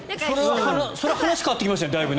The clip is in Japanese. それは話が変わってきますね。